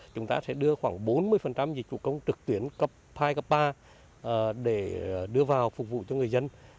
chúng ta sẽ đưa khoảng bốn mươi dịch vụ công trực tuyến cấp hai cấp ba để đưa vào phục vụ cho người dân